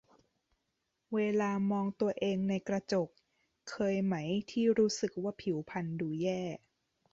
เวลามองตัวเองในกระจก เคยไหมที่รู้สึกว่าผิวพรรณดูแย่